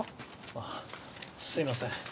あっすいません。